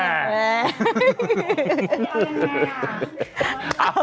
เอ้า